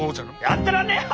やってらんねえよ